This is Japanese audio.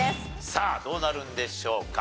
さあどうなるんでしょうか？